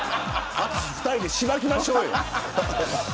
２人でしばきましょうよ。